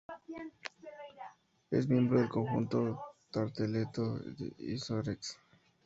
Es miembro del conjunto Tarteletto-Isorex.